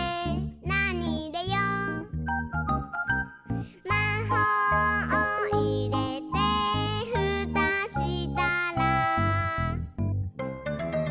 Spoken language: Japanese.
「なにいれよう？」「まほうをいれてふたしたら」